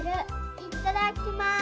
いただきます。